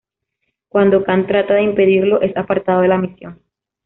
Cuando Khan trata de impedirlo, es apartado de la misión.